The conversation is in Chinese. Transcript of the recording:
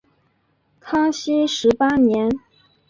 康熙十八年。